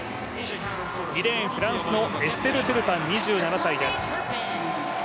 ２レーン、フランスのエステル・トゥルパン、２７歳です。